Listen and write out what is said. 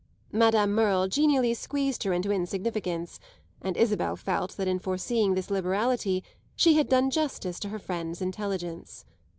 Madame Merle genially squeezed her into insignificance, and Isabel felt that in foreseeing this liberality she had done justice to her friend's intelligence.